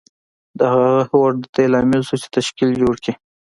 د هغه هوډ د دې لامل شو چې تشکیل جوړ کړي